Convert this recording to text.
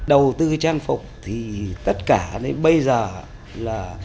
đầu tư trang phục thì tất cả đến bây giờ là